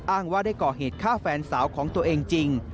อ้างว่าได้ก่อเหตุฆ่าแฟนสาวของตัวเองจริง